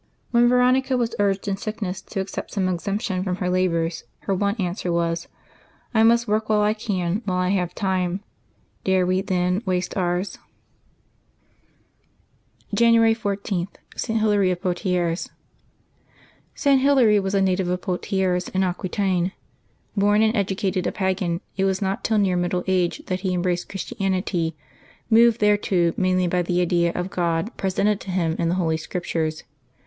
— When Veronica was urged in sickness to accept some exemption from her labors, her one answer was, " I must work while I can, while I have time." Dare we, then, waste ours? 36 LIVES OF TEE SAINTS [Januaey 14 January 14. ST. HILARY OF POITIERS. [t. Hilary was a native of Poitiers in Aquitaine. Born and educated a pagan, it was not till near middle age that he embraced Christianity, moved thereto mainly by the idea of God presented to him in the Holy Scriptures.